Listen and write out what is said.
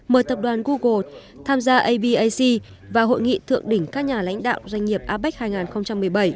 mời tập đoàn google tham gia abac và hội nghị thượng đỉnh các nhà lãnh đạo doanh nghiệp apec hai nghìn một mươi bảy